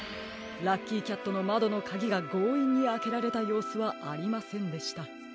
ラッキーキャットのまどのカギがごういんにあけられたようすはありませんでした。